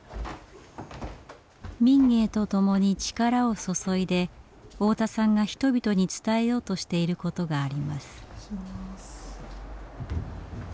民藝とともに力を注いで太田さんが人々に伝えようとしていることがあります。